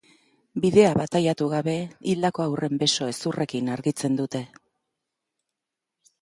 Bidea bataiatu gabe hildako haurren beso-hezurrekin argitzen dute.